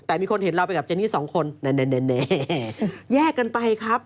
แต่มีคนเห็นเราไปกับเจนี่สองคนแยกกันไปครับ